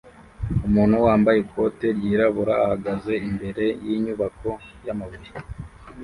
Umuntu wambaye ikoti ryirabura ahagaze imbere yinyubako yamabuye